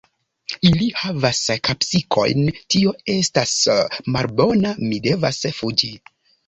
Ili havas kapsikojn tio estas malbona; mi devas fuĝi